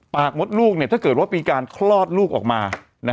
มดลูกถ้าเกิดว่ามีการคลอดลูกออกมา